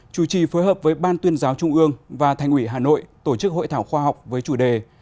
chủ trì phối hợp với ban tuyên giáo trung ương và thành ủy hà nội tổ chức hội thảo khoa học với chủ đề